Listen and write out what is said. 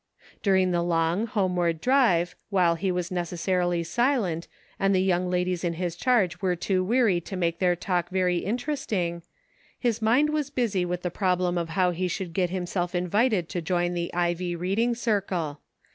During the long, homeward drive, while he was necessarily silent, and the young ladies in his charge were too weary to make their talk very in teresting, his mind was busy with the problem of how he should get himself invited to join the Ivy Reading Circle.